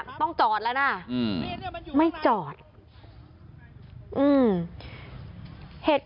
กระทั่งตำรวจก็มาด้วยนะคะ